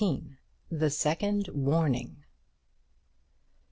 THE SECOND WARNING.